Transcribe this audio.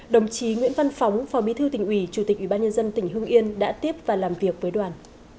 đồng chí nguyễn văn phóng phó bí thư tỉnh ủy chủ tịch ủy ban nhân dân tỉnh hưng yên đã tiếp và làm việc với đoàn